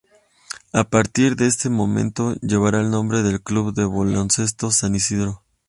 A partir de ese momento llevará el nombre de Club de Baloncesto San Isidro.